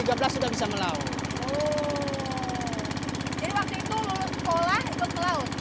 jadi waktu itu lulus sekolah untuk melaut